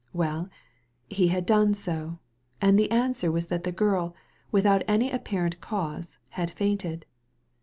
Well, he had done so ; and the answer was that the girl, without any apparent cause, had fainted.